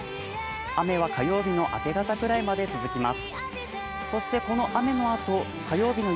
雨は火曜日の明け方ぐらいまで続きます。